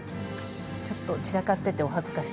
ちょっと散らかっててお恥ずかしいんですけれど。